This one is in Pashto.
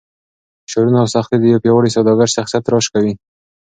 فشارونه او سختۍ د یو پیاوړي سوداګر د شخصیت تراش کوي.